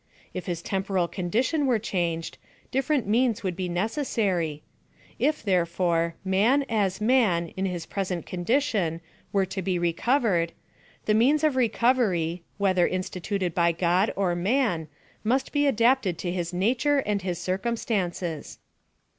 If his temporal condition were chang ed, different means would be necessary — If, there fore, man, as maji, in his present condition, were to be recovered, the means of recovery, whether insti tuted by God or man, must be adapted to his nature and his circumstances.